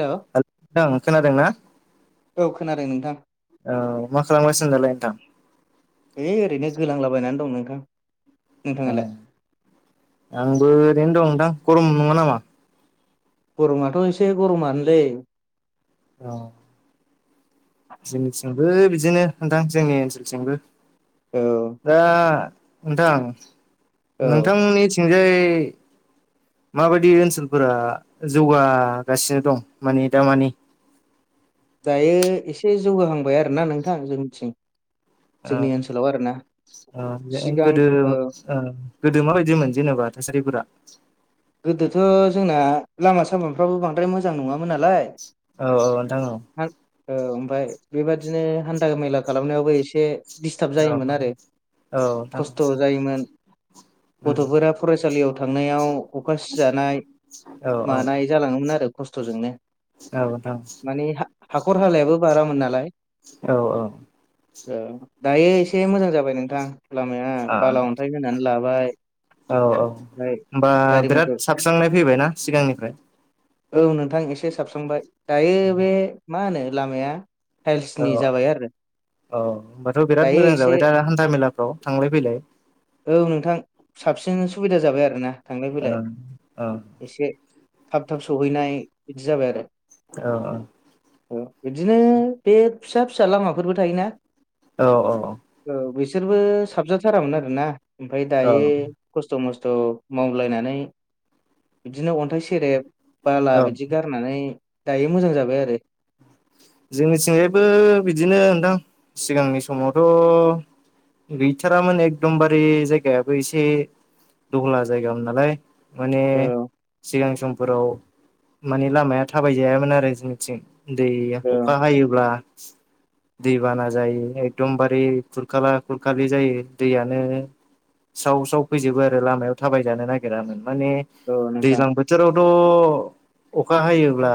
हेल' hello खोनादों ना? औ खोनादों नोंथां औ मा खालामगासिनोदालाय नोंथां? ओइ ओरैनो गोलांलाबायनानै दं नोंथां ए नोंथाङालाय आंबो ओरैनो दं नोंथां गरम नङा नामा? गरमाथ' एसे गरमानोलै औ जोंनिथिंबो बिदिनो नोंथां जोंनि ओनसोलथिंबो औ दा नोंथां औ नोंथांनिथिंजाय माबायदि ओनसोलफोरा जौगागासिनो दं माने दामानि [inaudible] दायो एसे जौगाहांबाय आरोोना नोंथां जों निथिं ओ जोंनि ओनसोलाव आरोना ओ गोदो ओ गोदो माबायदिमोन जेनेबा थासारिफोरा? [inaudible] गोदोथ' जोंना लामा सामाफ्राबो बांद्राय मोजां नङा नालाय औ औ औ नोंथां ओ ओ बेबादिनो हान्था मेला खालामनायावबो एसे दिस्थाब जायोमोन आरो औ नोंथां खस्थ' जायोमोन गथ'फोरा फरायसालियाव थांनायाव अखा सिजानाय औ औ मानाय जालाङोमोन आरो खस्थ'जोंनो औ नोंथां माने हाखर हालायाबो बारामोन नालाय औ औ औ दायो एसे मोजां जाबाय नोंथां लामाया ओ बाला अन्थाइ होनानै लाबाय औ औ ओमफ्राय ओमबा गारि बिराद मथर साबस्रांनाय फैबायनाा सिगांनिफ्राय? औ नोंथां एसे साबस्रांबाय दायो बे मा होनो लामाया टाइल्सनि औ जाबाय आरो औ होनोमबाथ' बिराद दायो मोजां एसे जाबाय दा हान्था मेलाफ्राव थांलाय फैलाय औ नोंथां साबसिन सुबिदा जाबाय आरोना थांलाय ओ फैलाय औ एसे थाब थाब सहैनाय बिदि जाबाय आरो औ औ औ बिदिनो बे फिसा फिसा लामाफोरबो थायोना? औ औ औ बिसोरबो साबजाथारामोन आरोना ओमफ्राय औ दायो खस्थ' मस्थ' मावलायनानै बिदिनो अन्थाइ सेरेब बाला औ बिदि गारनानै दायो मोजां जाबाय आरो जोंनिथिंजायबो बिदिनो नोंथां सिगांनि समावथ' गैथारामोन एकदमबारे जायगायाबो एसे दहला जायगामोन नालाय माने सिगां सम फोराव मानि लामाया थाबाय जायामोन आरो जोंनिथिं दै औ अखा हायोब्ला दैबाना जायो एकदमबारे खुरखाला खुरखालि जायो दैयानो साव साव फैजोबो आरो लामायाव थाबायजानो नागिरामोन माने औ नोंथां दैज्लां बोथोरावथ' अखा हायोब्ला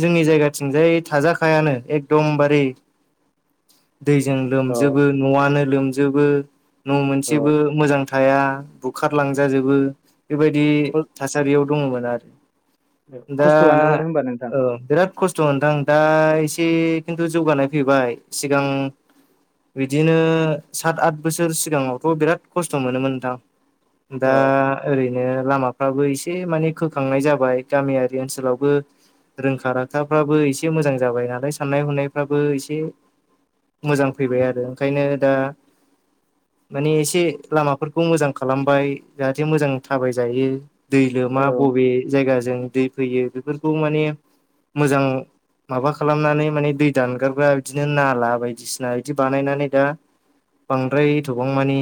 जोंनि जायगा थिंजाय थाजाखायानो एगदमबारे दैजों औ लोमजोबो न'आनो लोमजोबो न' औ मोनसेबो मोजां थाया बुखारलांजाजोबो बेबायदि थासारियाव दङमोन आरो दा खस्थ'आनोमोन होनबा नोंथां औ बिराद खस्थ' दा एसे खिन्थु जौगानाय फैबाय सिगां बिदिनो सात आत बोसोर सिगाङावथ' बिराद खस्थ' मोनोमोन नोंथां दा औ ओरैनो लामाफ्राबो एसे माने खोखांनाय जाबाय गामियारि ओनसोलावबो रोंखा-राखा खोथाफ्राबो एसे मोजां जाबाय नालाय साननाय हनायफ्राबो एसे मोजां फैबाय आरो ओंखायनो दा माने एसे लामाफोरखौ मोजां खालामबाय जाहाथे मोजां थाबायजायो दै लोमा औ बबे जायगाजों दै फैयो बेफोरखौ माने मोजां माबा खालामनानै माने दै दानगारग्रा बिदिनो नाला बायदिसिना बिदि बानायनानै दा बांद्राय एथ'बांमानि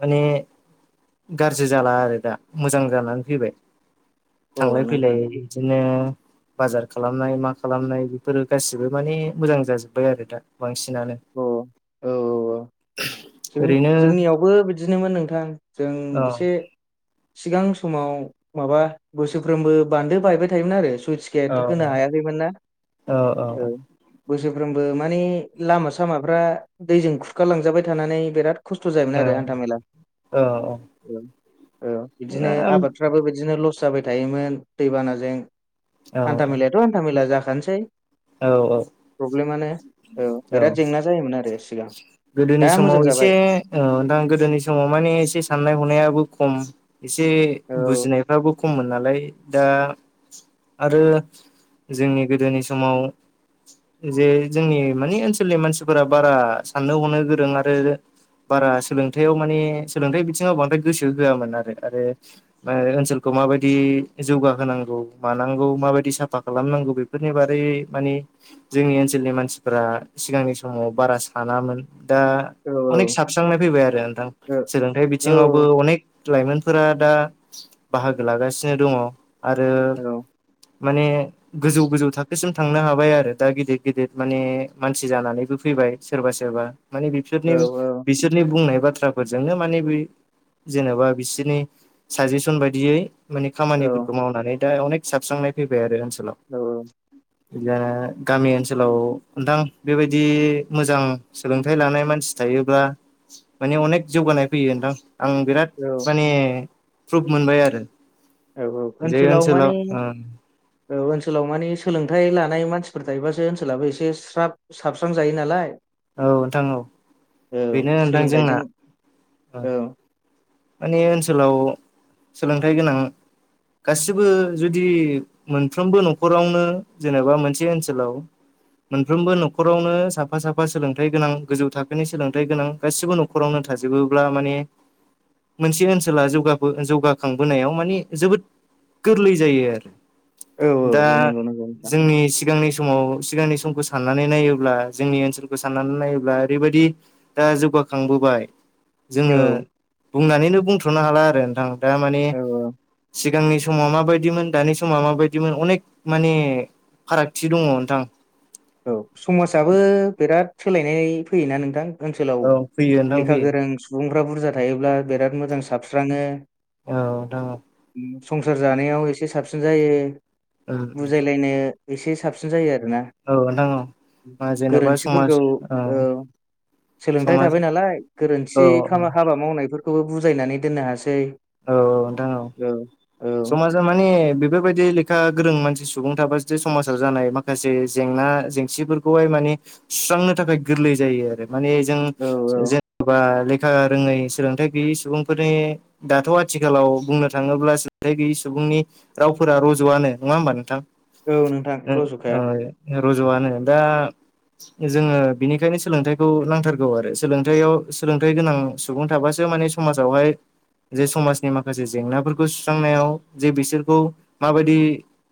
माने गाज्रि जाला आरो दा मोजां जानानै फैबाय औ थांलाय नोंथां फैलाय बिदिनो बाजार खालामनाय मा खालामनाय बेफोरो गासिबो माने मोजां जाजोब्बाय आरो दा बांसिनानो औ औ जों ओरैनो जोंनियावबो बिदिनोमोन नोंथां जों औ एसे सिगां समाव माबा बोसोरफ्रोमबो बानदो बायबाय थायोमोन आरो सुइस औ गेट होनो हायाखैमोन ना औ बोसोरफ्रोमबो बो माने लामा सामाफ्रा दैजों खुरखालांजाबाय थानानै बेराद खस्थ' जायोमोन औ आरो हान्था मेला औ औ बिदिनो आबादफ्राबो बिदिनो लस जाबाय थायोमोन दैबानाजों औ हान्था मेलायाथ' हान्था मेला जाखानसै औ औ प्रब्लेमानो औ बिराद जेंना जायोमोन आरो सिगां गोदोनि दा समाव मोजां एसे जाबाय ओ दां गोदोनि समाव माने एसे साननाय हनायाबो खम एसे औ बुजिनायफ्राबो खममोन नालाय दा आरो जोंनि गोदोनि समाव जे जोंनि मानि ओनसोलनि मानसिफोरा बारा साननो हनो गोरों आरो बारा सोलोंथाइयाव माने सोलोंथाइ बिथिङाव बांद्राय गोसो होआमोन आरो ओ-ओनसोलखौ माबायदि जौगाहोनांगौ मानांगौ माबायदि साफा खालामनांगौ बेफोरनि बारै मानि जोंनि ओनसोलनि मानसिफोरा सिगांनि समाव बारा सानामोन दा औ अनेक साबस्रांनाय फैबाय आरो नोंथां औ सोलोंथाइ औ बिथिङावबो अनेक लाइमोनफोरा दा बाहागो लागासिनो दङ आरो औ माने गोजौ गोजौ थाखोसिम थांनो हाबाय आरो दा गिदिर गिदिर माने मानसि जानानै बो फैबाय सोरबा सोरबा माने बिफोरनि औ बिसोरनि बुंनाय बाथ्राफोरजोंनो माने बै जेन'बा बिसोरनि साजेसन बायदियै माने खामानिफोरखौ मावनानै दा अनेक साबस्रां नाय फैबाय आरो ओनसोलाव औ दा गामि ओनसोलाव नोंथां बेबायदि मोजां सोलोंथाइ लानाय मानसि थायोब्ला माने अनेक जौगानाय फैयो नोंथां आं बिराद माने प्रुभ मोनबाय आरो औ औ जे ओनसोलाव माने ओ औ ओनसोलाव माने सोलों थाइ लानाय मानसिफोर थायोबासो ओनसोलाबो एसे स्राब-साबस्रां जायो नालाय औ नोंथां औ औ बेनो नोंथां जोंना सोलोंथाइजों ओ औ माने ओनसोलाव सोलोंथाइ गोनां गासिबो जुदि मोनफ्रोमबो नखरावनो जेनेबा मोनसे ओनसोलाव मोनफ्रोमबो नखरावनो साफा साफा सोलोंथाइ गोनां गोजौ थाखोनि सोलोंथाइ गोनां गासिबो नखरावनो थाजोबोब्ला माने मोनसे ओनसोला जौगबो जौगाखांबोनायाव माने जोबोद गोरलै जायो आरो औ दा औ नंगौ नंगौ नोंथां जोंनि सिगांनि समाव सिगांनि समखौ साननानै नायोब्ला जोंनि ओनसोलखौ साननानै नायोब्ला ओरैबायदि दा जौगाखांबोबा य जोङो औ बुंनानैनो बुंथ्र'नो हाला आरो नोंथां दा माने औ औ सिगांनि सम समाव मााबायदिमोन दानि समाव माबायदिमोन अनेक माने फारागथि दङ नोंथां। औ समाजाबो बिराद सोलायनाय फैयोना नोंथां। ओनसोलाव औ फैयो नोंथां लेखा फैयो गोरों सुबुंफ्रा बुरजा थायोब्ला बिराद मोजां साबस्राङो औ संसार जानायाव एसे साबसिन जायो उम उम बुजायलायनो एसे साबसिन जायो आरोना। औ नोंथां औ जेन'बा समाज गोरोन्थिफोरखौ ओ सोलोंथायाइ समाज थाबाय नालाय गोरोन्थि औ हाबा मावनायफोरखौबो बुजायनानै दोननो हासै। औ औ नोंथां औ। औ समाजा माने बेफोरबायदि लेखा गोरों मानसि सुबुं थाबा जे समाजाव जानाय माखासे जेंना जेंसिफोरखौहाय मानि सुस्रांनो थाखाय गोरलै जायो आरो। माने जों औ जेनेबा लेखा रोङै सोलोंथाइ गैयै सुबुंफोरनि दाथ' आथिखालाव बुंनो थाङोब्ला सोलथायाइ गैयि सुबुंनि रावफोरा रज'आनो नङा होमबा नोंथां। औ नोंथां उम ओ रज'खाया रज'आनो। दा जोङो बिनिखायनो सोलोंथाइखौ नांथारगौ आरो। सोलोंथाइयाव सोलोंथाइ गोनां सुबुं थाबासो माने समाजावहाय जे समाजनि माखासे जेंनाफोरखौ सुस्रांनायाव जे बिसोरखौ माबायदि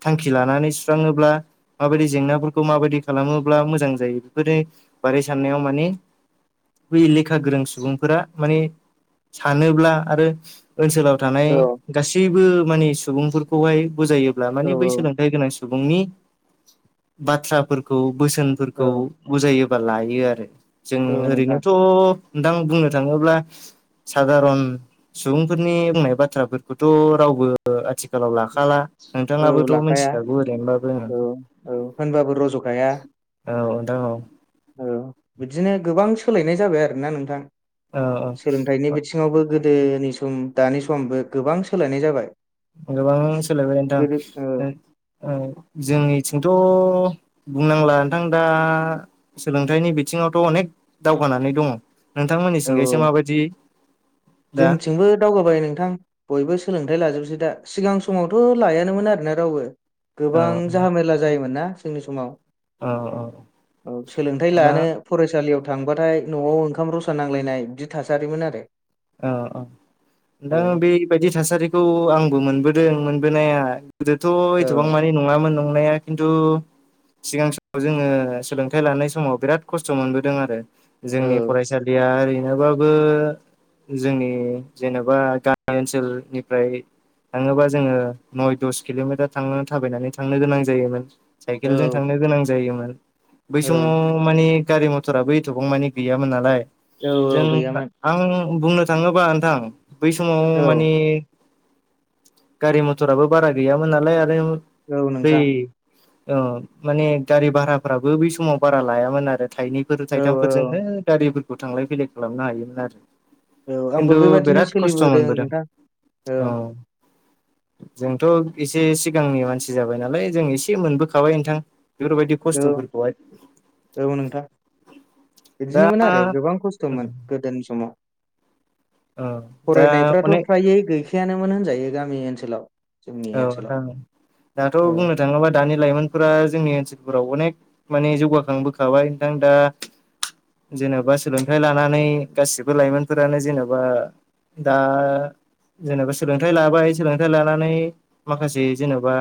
थांखि ला नानै सुस्राङोब्ला माबायदि जेंनाफोरखौ माबायदि खालामोब्ला मोजां जायो बेफोरनि बारै साननायाव माने बै लेखा गोरों सुबुंफोरा माने सानोब्ला आरो ओनसोलाव थानाय औ गासैबो मानि सुबुंफोरखौहाय बुजायो। अब्ला औ माने बै सोलोंथाइ गोनां सुबुंनि बाथ्राफोरखौ औ बोसोनफोरखौ बुजायोबा लायो आरो। जों औ नोंथां ओरैनोथ' नोंथां बुंनो थाङोब्ला सादारन सुबुंफोरनि बुंनाय बाथ्राफोरखौथ' रावबो आथिखालाव लाखाला। औ नोंथाङाबोथ' लाखाया मिथिखागौ ओरैनोबा औ औ होनबाबो रज'खाया औ नोंथां औ औ बिदिनो गोबां सोलायनाय जाबाय आरोना नोंथां। औ सोलोंथाइनि औ बिथिङावबो गो गोदोनि सम दानि समबो गोबां सोलायनाय जाबाय। गोबां सोलायबाय गोदो ओ नोंथां। जोंनिथिंथ' बुंनांला नोंथां दा सोलोंथाइनि बिथिङावथ' अनेख दावगानानै दङ। नोंथांमोननि थिंजायसो माबायदि? दा जोंनिथिंबो दावगाबाय नोंथां बयबो सोलों थाय लाजोबसै दा। सिगां समावथ' लायानोमोन आरोना रावबो औ गोबां जाहामेला जायोमोन ना? जोंनि औ औ समाव सोलोंथाइ दा लानो फरायसालियाव थांबाथाय न'आव ओंखाम रसा नांलायनाय बिदि थासारिमोन आरो। औ औ औ नोंथां। बेबायदि थासारिखौ आं बो मोनबोदों मोनबोनाया। गोदोथ' औ एथ'बां मानि नङामोन नं नाया खिन्थु सिगां समाव जोङो सोलोंथाइ लानाय समाव बिराद खस्थ' मोनबोदों आरो। औ जोंनि फरायसालिया ओरैनोबाबो जोंनि जेन'बा गामि ओनसोलनिफ्राय थाङोबा जोङो नय दस किल'मिटार थां थाबायनानै थांनो गोनां जायोमोन। औ साइकेल जों थांनो गोनां जायोमोन । बै औ समाव माने गारि मथराबो एथ'बांमानि गैयामोन नालाय। औ जों औ गैयामोन आं बुंनो थाङोबा नोंथां बै समाव औ मानि गारि मथराबो बारा गैयामोन नालाय आरो औ नोंथां औ माने गारि भाराफ्राबो बै समाव बारा लायामोन आरो थाइनैफोर औ औ थाइथामफोरजोंनो गारिफोरखौ थांलाय फैलाय खालामनो हायोमोन आरो औ आंबो खिन्थु बेबादिनो बिराद खस्थ' सोलिबोदों मोनबोदों नोंथां औ जोंथ' एसे सिगांनि मानसि जाबाय नालाय जों एसे मोनबोखाबाय नोंथां बेफोरबायदि औ खस्थ'फोरखौहाय औ नोंथां दा बिदिनोमोन आरो गोबां खस्थ'मोन गोदोनि समाव औ दा फरायनायफ्राथ' अनेक फ्रायै गैखायानोमोन होनजायो गामि ओनसोलाव जोंनि औ ओनसोलाव नोंथां दाथ' औ बुंनो थाङोबा दानि लाइमोनफोरा जोंनि ओनसोल राव अनेक माने जौगाखांबोखाबाय नोंथां दा जेन'बा सोलोंथाइ लानानै गासिबो लाइमोनफोरानो जेन'बा दा जेनेबा सोलोंथाइ लाबाय सोलोंथायाइ लानानै माखासे जेन'बा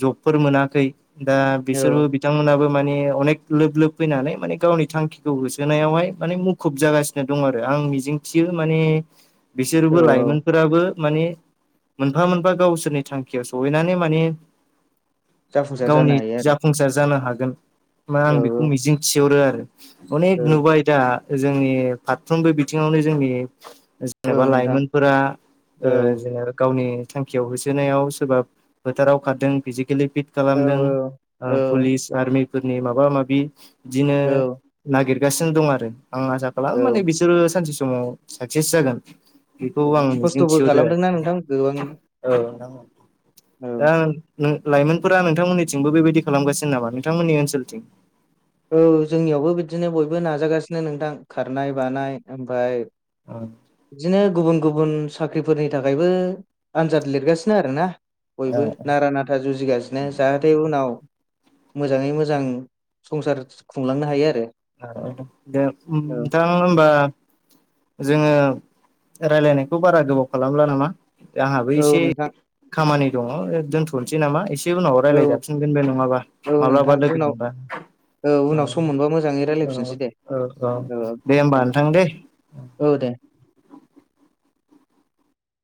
जबफोर मोनाखै दा बिसोरबो औ बिथांमोनाबो माने अनेक लोब लोब फैनानै माने गावनि थांखिखौ होसोनायावहाय माने मुखुब जागासिनो दं आरो आंनि मिजिं थियो माने बिसोरबो औ लाइमोनफोराबो माने मोनफा मोनफा गावसोरनि थांखियाव सहैनानै माने जाफुंसार जानो गावनि हायो आरो जाफुंसार जानो हागोन मा औ आं बेखौ मिजिं थिहरो आरो अनेक औ नुबाय दा जोंनि फारफ्रोमबो बिथिङावनो जोंनि औ जेनेबा औ नोंथां लाइमोनफोरा औ जेनेबा गावनि थांखियाव होसो नायाव सोरबा फोथाराव खारदों फिजिकेलि फिट औ खालामदों ओ औ पुलिस आर्मि फोरनि माबा माबि बिदिनो औ नागिरगासिनो दं आरो आं आसा खालाम माने औ बिसोरो सानसे समाव साक्सेस जागोन बेखौ आं मिजिं खस्थ'बो थिहरो खालामदोंना नोंथां गोबां आरो औ दा लाइमोनफोरा नोंथांमोननिथिंबो बेबायदि खालामगासिनो नामा नोंथांमोननि ओनसोलथिं? औ जोंनियावबो बिदिनो बयबो नाजागासिनो नोंथां खारनाय बानाय ओमफफ्राय बिदिनो गुबुन गुबुन साख्रिफोरनि थाखायबो आनजाद लिरगासिनो आरो ना बयबो औ नारा नाथा जुजिगासिनो जाहाथे उनाव मोजाङै मोजां संसार खुंलांनो हायो आरो औ दे औ नोंथां हमबा जोङो रायलायनायखौ बारा गोबाव खालामला नामा आंहाबो औ एसे नोंथां खामानि दङ दोनथ'नोसै नामा एसे ए उनाव औ रायज्लायज जाफिनगोन बे नङाबा औ माब्लाबा नोंथां लोगो उनाव मोनबा औ उनाव सम मोनबा मोजाङै औ रायलायफिनसै दे औ औ दे होमबा औ नोंथां दे औ दे